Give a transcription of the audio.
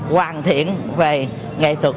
hoàn thiện về nghệ thuật